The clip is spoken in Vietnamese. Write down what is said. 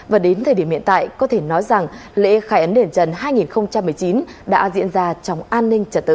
và đến thời điểm hiện tại có thể nói rằng lễ khai ấn đền trần hai nghìn một mươi chín đã diễn ra trong an ninh trật tự